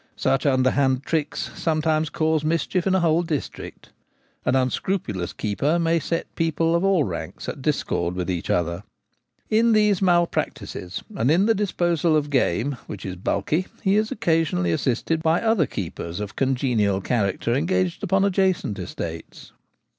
Such underhand tricks sometimes cause mischief in a whole district. An unscrupulous keeper may set people of all ranks at discord with each other. In these malpractices, and in the disposal of game which is bulky, he is occasionally assisted by other keepers of congenial character engaged upon adjacent Feminine Poachers. 211 estates.